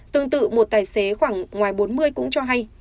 tương tự một tài xế khoảng ngoài bốn mươi cũng cho hay